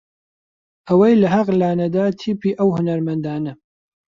ئەوەی لە حەق لا نەدا تیپی ئەو هونەرمەندانە